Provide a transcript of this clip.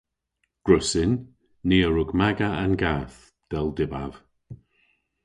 "Gwrussyn. Ni a wrug maga an gath, dell dybav."